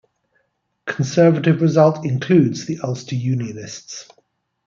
Conservative result includes the Ulster Unionists.